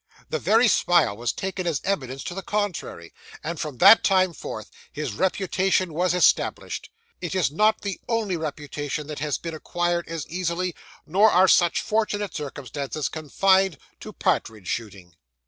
The very smile was taken as evidence to the contrary; and from that time forth his reputation was established. It is not the only reputation that has been acquired as easily, nor are such fortunate circumstances confined to partridge shooting.